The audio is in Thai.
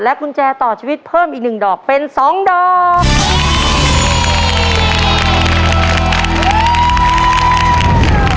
และกุญแจต่อชีวิตเพิ่มอีกหนึ่งดอกเป็นสองดอก